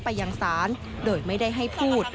ไปยังศาลโดยไม่ได้ให้พูด